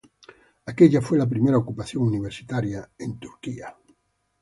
Aquella, fue la primera ocupación universitaria en Turquía.